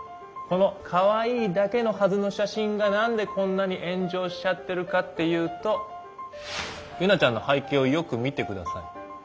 このかわいいだけのはずの写真が何でこんなに炎上しちゃってるかっていうとユナちゃんの背景をよく見てください。